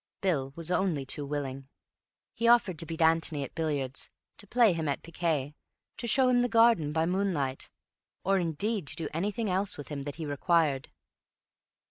Bill was only too willing. He offered to beat Antony at billiards, to play him at piquet, to show him the garden by moonlight, or indeed to do anything else with him that he required.